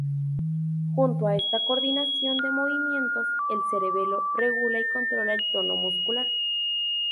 Junto a esta coordinación de movimientos, el cerebelo regula y controla el tono muscular.